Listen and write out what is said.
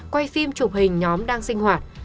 quay phim chụp hình nhóm đang sinh hoạt